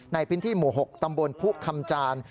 ในพื้นที่หมู่๖ตำบลผู้คำจาน